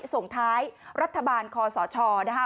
ส่งท้ายรัฐบาลคอสชนะคะ